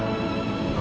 saya mau ziarah ke sana